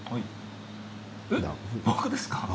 僕ですか？